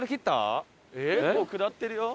結構下ってるよ。